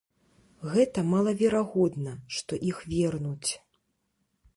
Гэта малаверагодна, што іх вернуць.